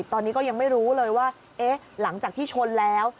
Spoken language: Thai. ตอนนี้ก็ยังไม่รู้เลยว่าเอ๊ะหลังจากที่ชนแล้ว